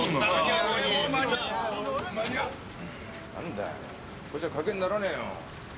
なんだよこれじゃ賭けにならねえよ。